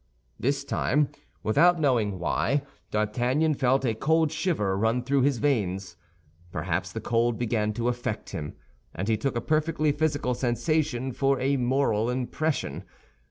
This time, without knowing why, D'Artagnan felt a cold shiver run through his veins. Perhaps the cold began to affect him, and he took a perfectly physical sensation for a moral impression.